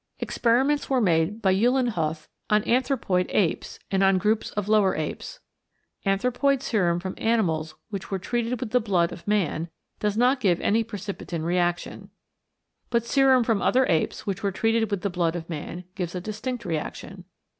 Experiments were made by Uhlenhuth on anthropoid apes, and on groups of lower apes. Anthropoid serum from animals which were treated with the blood of man does not give any precipitin reaction. But serum from other apes which were treated with the blood of man gives a distinct reaction.